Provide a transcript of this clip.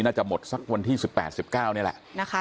น่าจะหมดสักวันที่๑๘๑๙นี่แหละนะคะ